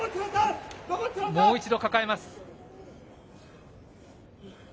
もう一度抱えます。